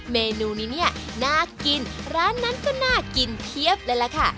เมนูนี้เนี่ยน่ากินร้านนั้นก็น่ากินเพียบเลยล่ะค่ะ